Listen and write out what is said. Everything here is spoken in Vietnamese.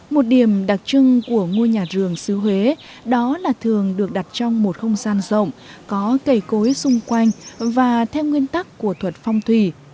một điểm đặc trưng của ngôi nhà rường xứ huế đó là thường được đặt trong một không gian rộng có cây cối xung quanh và theo nguyên tắc của thuật phong thủy